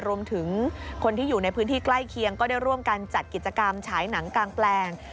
รวมถึงคนที่อยู่ในพื้นที่ใกล้เคียงก็ได้ร่วมกันจัดกิจกรรมฉายหนังกลางแปลง